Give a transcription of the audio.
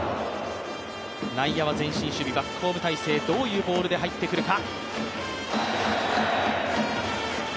内野は前進守備、バックホーム体勢、どういうボールで入ってくるか。